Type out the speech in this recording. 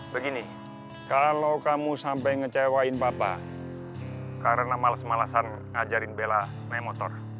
begini kalau kamu sampai ngecewain bapak karena males malesan ngajarin bela naik motor